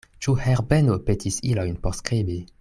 Ĉu Herbeno petis ilojn por skribi?